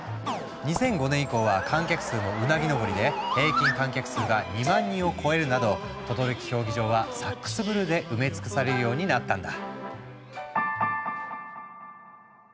２００５年以降は観客数もうなぎ上りで平均観客数が２万人を超えるなど等々力競技場はサックスブルーで埋め尽くされるようになったんだ。